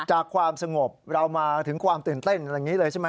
ความสงบเรามาถึงความตื่นเต้นอะไรอย่างนี้เลยใช่ไหม